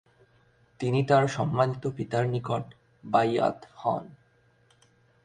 তিনি তার সম্মানিত পিতার নিকট 'বাইআত' হন ।